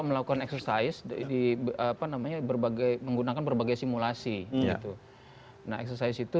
melakukan eksersais di apa namanya berbagai menggunakan berbagai simulasi itu nah ekses itu